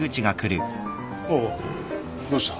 おおどうした。